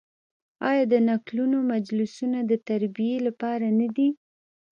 آیا د نکلونو مجلسونه د تربیې لپاره نه دي؟